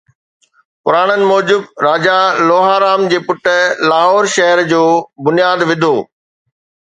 پراڻن موجب، راجا لوها، رام جي پٽ، لاهور شهر جو بنياد وڌو